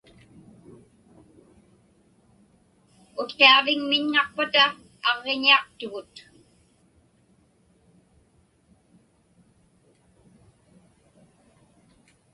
Utqiaġviñŋaqpata aġġiñiaqtugut.